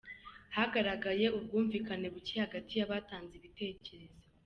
Hagaragaye ubwumvikane bucye hagati y’abatanze ibitekerezo: